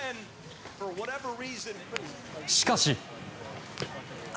しかし。